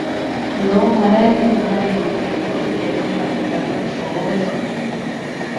ލޯ މަރައިގެން އަހަރެން އޮތް އިރު މުޅި ހެދުން ވަނީ ދަލުން ފޯ ވެފަ